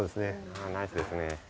ナイスですね。